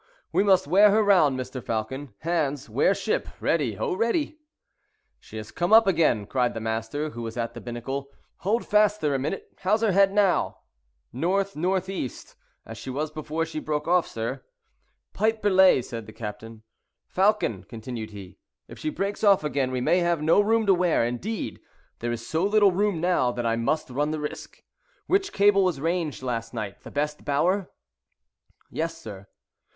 "We must wear her round, Mr. Falcon. Hands, wear ship—ready, oh, ready." "She has come up again," cried the master, who was at the binnacle. "Hold fast there a minute. How's her head now?" "N.N.E., as she was before she broke off, sir." "Pipe belay," said the captain. "Falcon," continued he, "if she breaks off again we may have no room to wear; indeed, there is so little room now, that I must run the risk. Which cable was ranged last night—the best bower?" "Yes, sir."